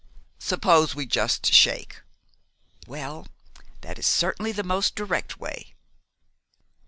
"Suppose we just shake?" "Well, that is certainly the most direct way."